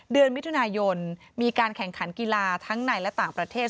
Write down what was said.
เดือนมิถุนายนมีการแข่งขันกีฬาทั้งในและต่างประเทศ